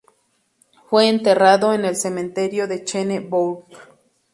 Fue enterrado en el cementerio de Chêne-Bourg.